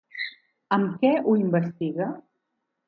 Amb què ho investiga?